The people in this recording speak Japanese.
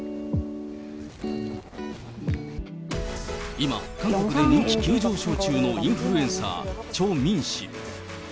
今、韓国で人気急上昇中のインフルエンサー、チョ・ミン氏。